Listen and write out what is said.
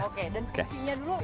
oke dan fungsinya dulu